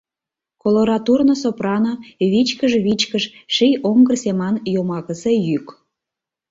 Колоратурно сопрано — Вичкыж-вичкыж, ший оҥгыр семан йомакысе йӱк.